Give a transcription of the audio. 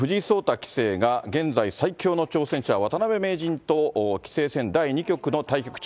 棋聖が現在、最強の挑戦者、渡辺名人と棋聖戦第２局の対局中。